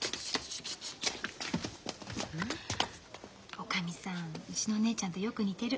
おかみさんうちのお姉ちゃんとよく似てる。